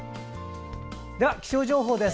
では気象情報です。